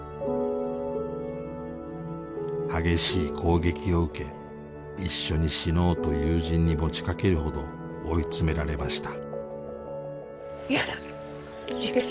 激しい攻撃を受け一緒に死のうと友人に持ちかけるほど追い詰められました。